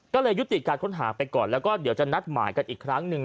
ก็เลยยุติการค้นหาไปก่อนแล้วก็เดี๋ยวจะนัดหมายกันอีกครั้งหนึ่ง